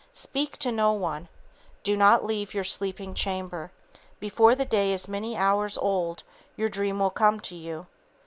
Speak to no one. Do not leave your sleeping chamber. Before the day is many hours old your dream will come to you.